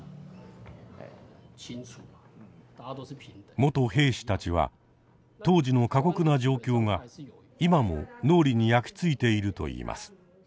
元兵士たちは当時の過酷な状況が今も脳裏に焼き付いているといいます。